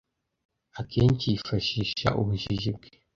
Akenshi yifashisha ubujiji bwe.